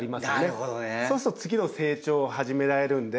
そうすると次の成長を始められるので。